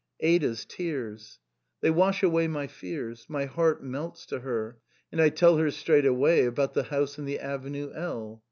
Ada's tears! They wash away my fears. My heart melts to her, and I tell her straightway about the house in the avenue L.